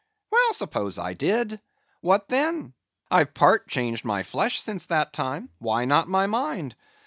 "Well, suppose I did? What then? I've part changed my flesh since that time, why not my mind?